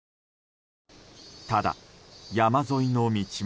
ただ、山沿いの道も。